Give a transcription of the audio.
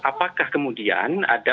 apakah kemudian ada